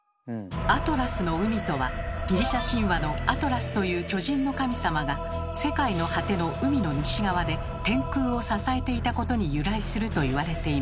「アトラスの海」とはギリシャ神話のアトラスという巨人の神様が世界の果ての海の西側で天空を支えていたことに由来するといわれています。